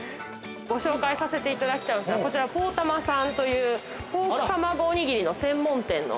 ◆ご紹介させていただきたいお店は、こちらポーたまさんというポークたまごおにぎりの専門店の。